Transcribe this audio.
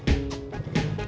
baru aja beli